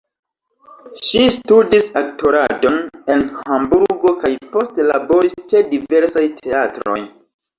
Ŝi studis aktoradon en Hamburgo kaj poste laboris ĉe diversaj teatroj.